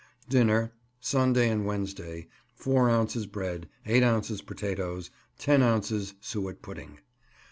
Dinner Sunday and Wednesday 4 ounces bread, 8 ounces potatoes, 10 ounces suet pudding.